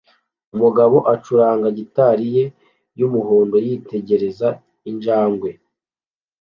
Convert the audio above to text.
Umugabo acuranga gitari ye yumuhondo yitegereza injangwe